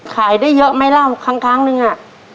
ขายได้เยอะไหมเล่าครั้งนึงอ่ะ